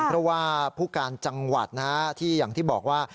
เพราะว่าผู้การจังหวัดที่อย่างที่บอกว่า